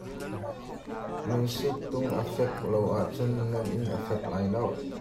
Nan suttung a feh lo ahcun nan inn a fek lai lo.